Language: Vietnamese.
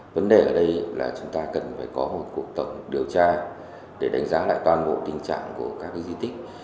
vấn đề ở đây là chúng ta cần phải có một cuộc tổng điều tra để đánh giá lại toàn bộ tình trạng của các di tích